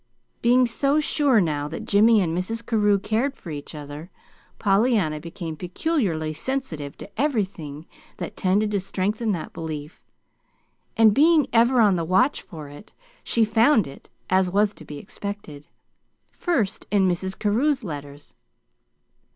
Being so sure now that Jimmy and Mrs. Carew cared for each other, Pollyanna became peculiarly sensitive to everything that tended to strengthen that belief. And being ever on the watch for it, she found it, as was to be expected. First in Mrs. Carew's letters.